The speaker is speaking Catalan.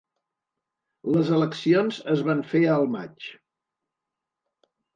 Les eleccions es van fer al maig.